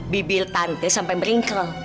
bibil tante sampai meringkel